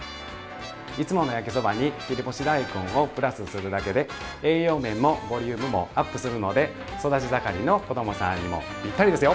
いつもの焼きそばに切り干し大根をプラスするだけで栄養面もボリュームもアップするので育ち盛りの子どもさんにもぴったりですよ！